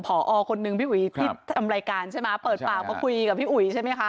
พอคนนึงพี่อุ๋ยที่ทำรายการใช่ไหมเปิดปากมาคุยกับพี่อุ๋ยใช่ไหมคะ